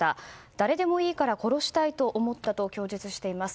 誰でもいいから殺したいと思ったと供述しています。